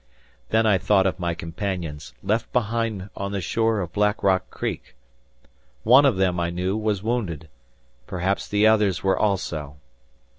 Then I thought of my companions, left behind on the shore of Black Rock Creek. One of them, I knew, was wounded; perhaps the others were also.